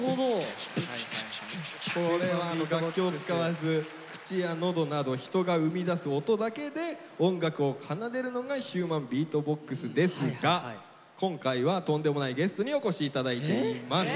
これは楽器を使わず口や喉など人が生み出す音だけで音楽を奏でるのがヒューマンビートボックスですが今回はとんでもないゲストにお越し頂いています。